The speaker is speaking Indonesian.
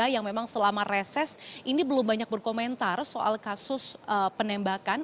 yang memang selama reses ini belum banyak berkomentar soal kasus penembakan